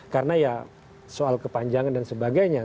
karena ya soal kepanjangan dan sebagainya